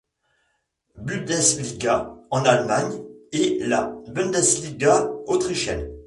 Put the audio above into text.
Bundesliga en Allemagne et la Bundesliga autrichienne.